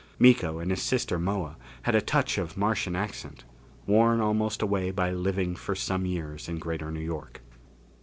Miko and his sister Moa, had a touch of Martian accent, worn almost away by living for some years in Greater New York.